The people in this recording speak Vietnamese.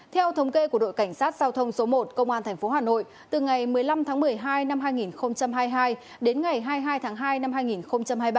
theo thống kê của đội cảnh sát giao thông số một công an tp hà nội từ ngày một mươi năm tháng một mươi hai năm hai nghìn hai mươi hai đến ngày hai mươi hai tháng hai năm hai nghìn hai mươi ba